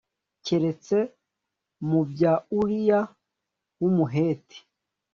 keretse mu bya Uriya w’Umuheti